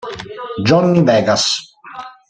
Johnny Vegas